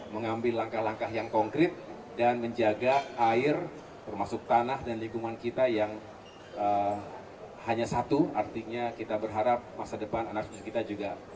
mengambil langkah langkah yang konkret dan menjaga air termasuk tanah dan lingkungan kita yang hanya satu artinya kita berharap masa depan anak muda kita juga